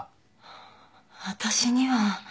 私には。